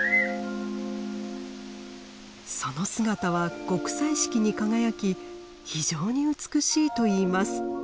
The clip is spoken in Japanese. その姿は極彩色に輝き非常に美しいといいます。